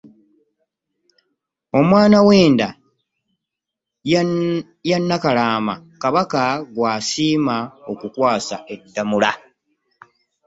Omwana w'enda ya Nakalaama Kabaka gw'asiima okukwasa Ddamula.